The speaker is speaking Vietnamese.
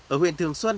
ở huyện thường xuân